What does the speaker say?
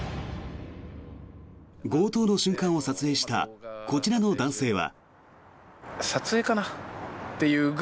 強盗の瞬間を撮影したこちらの男性は。